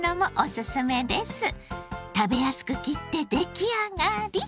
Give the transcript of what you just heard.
食べやすく切ってできあがり